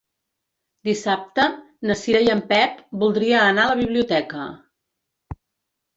Dissabte na Cira i en Pep voldria anar a la biblioteca.